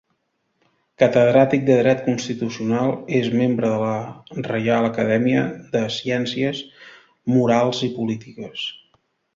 Catedràtic de Dret Constitucional, és membre de la Reial Acadèmia de Ciències Morals i Polítiques.